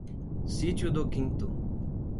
Sítio do Quinto